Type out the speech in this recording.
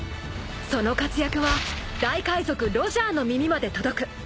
［その活躍は大海賊ロジャーの耳まで届く］